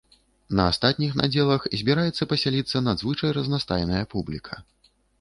На астатніх надзелах збіраецца пасяліцца надзвычай разнастайная публіка.